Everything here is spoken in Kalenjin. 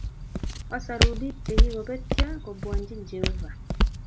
Osoru biik chikikobetyo kobwanji Jehovah